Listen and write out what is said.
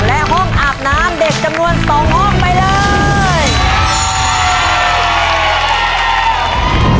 และห้องอาบน้ำเด็กจำนวน๒ห้องไปเลย